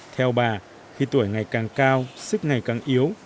theo bà khi tuổi ngày càng cao sức ngày càng yếu